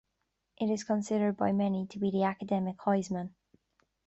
It is considered by many to be the Academic Heisman.